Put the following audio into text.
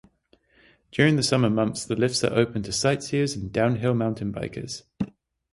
During the summer months the lifts are open to sightseers and downhill mountain bikers.